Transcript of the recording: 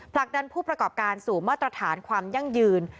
ผลักดันผู้ประกอบการสู่มาตรฐานความยั่งยืน